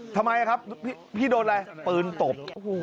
ทำไมครับพี่โดนอะไรปืนตบ